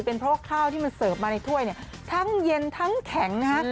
เป็นเพราะว่าข้าวที่มันเสิร์ฟมาในถ้วยเนี่ยทั้งเย็นทั้งแข็งนะฮะ